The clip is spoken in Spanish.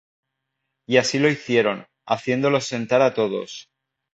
Y así lo hicieron, haciéndolos sentar á todos.